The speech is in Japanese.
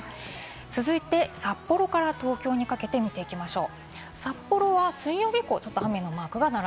続いて札幌から東京にかけてみていきましょう。